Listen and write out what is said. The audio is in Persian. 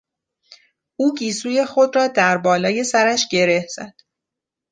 او گیسوی خود را در بالای سرش گره زد.